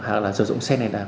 hoặc là sử dụng xe này